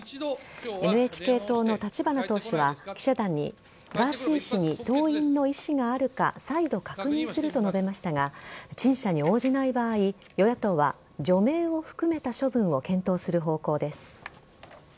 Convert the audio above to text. ＮＨＫ党の立花党首は記者団にガーシー氏に登院の意思があるか再度確認すると述べましたが陳謝に応じない場合与野党は除名を含めた処分を検討する方向です。